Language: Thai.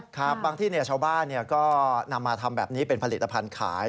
ครับบางที่ชาวบ้านก็นำมาทำแบบนี้เป็นผลิตภัณฑ์ขาย